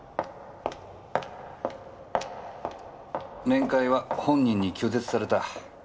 面会は本人に拒絶された。